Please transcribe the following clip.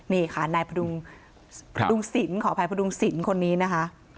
นี่ค่ะนายพระดุงสินขออภัยพระดุงสินคนนี้นะคะ